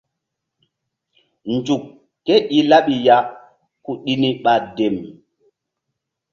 Nzuk ke i laɓi ya ku ɗi ni ɓa dem.